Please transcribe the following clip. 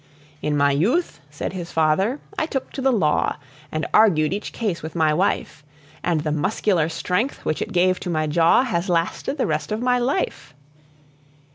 "In my youth," said his father, "I took to the law, And argued each case with my wife; And the muscular strength which it gave to my jaw Has lasted the rest of my life."